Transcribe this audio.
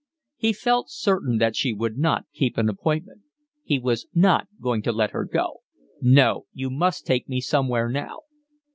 He felt certain that she would not keep an appointment. He was not going to let her go. "No. You must take me somewhere now."